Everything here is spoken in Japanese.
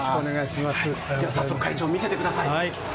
早速会長、見せてください。